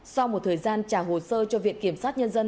sau một thời gian trả hồ sơ cho viện kiểm sát nhân dân